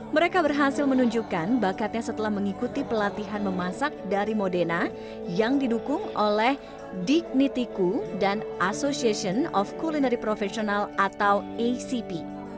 mereka berhasil menunjukkan bakatnya setelah mengikuti pelatihan memasak dari modena yang didukung oleh dignity coo dan association of culinary professional atau acp